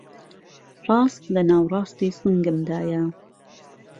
ڕاست لەناوەڕاستی سنگمدایه